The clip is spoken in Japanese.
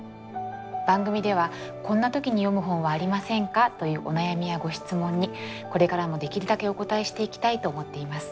番組では「こんな時に読む本はありませんか？」というお悩みやご質問にこれからもできるだけお答えしていきたいと思っています。